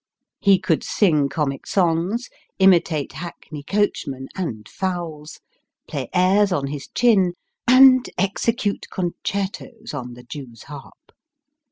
He could sing comic songs, imitate hackney coachmen and fowls, play airs on his chin, and execute concertos on the Jew's harp.